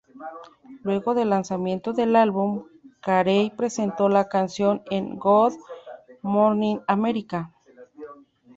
Luego del lanzamiento del álbum, Carey presentó la canción en "Good Morning America".